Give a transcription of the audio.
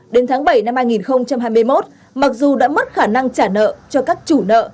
đến tháng bảy năm hai nghìn hai mươi một mặc dù đã mất khả năng trả nợ cho các chủ nợ